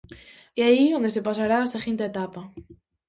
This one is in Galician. É aí onde se pasará á seguinte etapa.